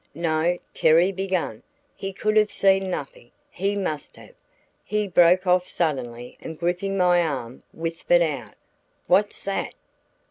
"No," Terry began, "he could have seen nothing; he must have " He broke off suddenly and gripping my arm whispered out, "What's that?"